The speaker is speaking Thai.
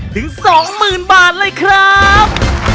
ถึง๒๐๐๐บาทเลยครับ